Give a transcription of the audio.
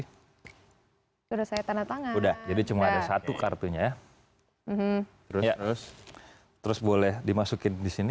hai sudah saya tena tangan udah jadi cuma ada satu kartunya terus terus boleh dimasukin di sini